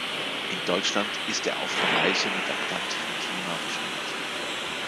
In Deutschland ist er auf Bereiche mit atlantischem Klima beschränkt.